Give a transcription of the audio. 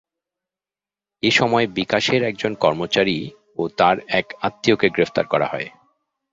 এ সময় বিকাশের একজন কর্মচারী ও তাঁর এক আত্মীয়কে গ্রেপ্তার করা হয়।